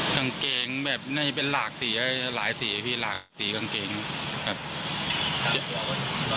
กางเกงแบบนี่เป็นหลากสีหลายสีพี่หลากสีกางเกงครับ